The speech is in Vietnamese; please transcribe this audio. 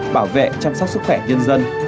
bảo vệ chăm sóc sức khỏe nhân dân